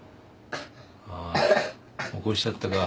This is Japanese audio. ああ起こしちゃったか。